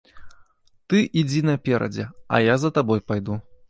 Ты ідзі наперадзе, а я за табой пайду.